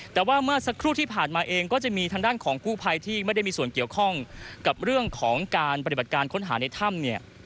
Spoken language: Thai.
แต่ว่าเมื่อสักครู่ที่ผ่านมาเองก็จะมีทางด้านของกู้ภัยที่ไม่ได้มีส่วนเกี่ยวข้องกับเรื่องของการปฏิบัติการค้นหาในถ้ำเนี่ย